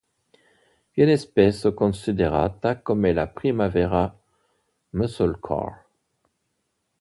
Viene spesso considerata come la prima vera "muscle car".